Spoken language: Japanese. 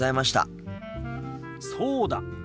そうだ。